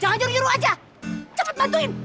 jangan curi curi aja cepet bantuin